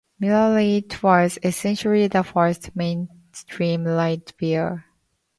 Miller Lite was essentially the first mainstream light beer.